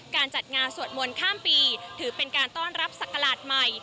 การจัดงานสวดมนต์ข้ามปีถือเป็นการต้อนรับศักราชใหม่